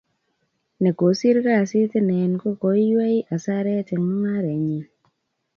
ne kosir kasit ine ko keiywei hasaret eng' mungaret nenyin